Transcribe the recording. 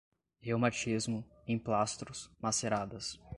reumatismo, emplastros, maceradas